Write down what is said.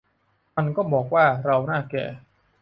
มันก็บอกว่า เราหน้าแก่